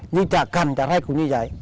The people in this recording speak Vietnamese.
như trả cằn trả rách cũng như vậy